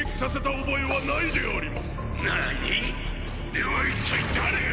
では一体誰が！？